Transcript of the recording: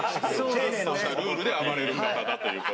ちゃんとしたルールで暴れる方だという事で。